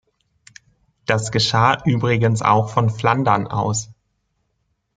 Das geschah übrigens auch von Flandern aus.